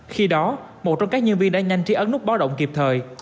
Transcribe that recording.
khi đó một trong các nhân viên đã nhanh tri ấn nút báo động kịp thời